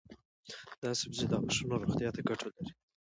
دا سبزی د غاښونو روغتیا ته ګټه لري.